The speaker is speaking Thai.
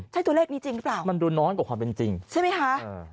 ใช่ตัวเลขนี้จริงหรือเปล่ามันดูน้อยกว่าความเป็นจริงใช่ไหมคะ